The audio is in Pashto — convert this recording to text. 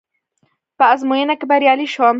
په ازموينه کې بريالی شوم.